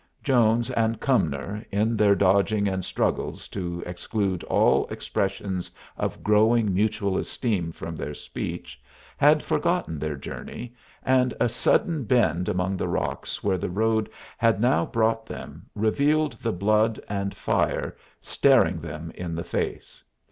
Jones and Cumnor, in their dodging and struggles to exclude all expressions of growing mutual esteem from their speech, had forgotten their journey, and a sudden bend among the rocks where the road had now brought them revealed the blood and fire staring them in the face.